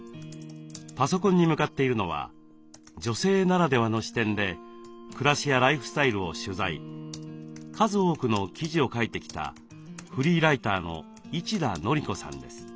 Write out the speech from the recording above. パソコンに向かっているのは女性ならではの視点で暮らしやライフスタイルを取材数多くの記事を書いてきたフリーライターの一田憲子さんです。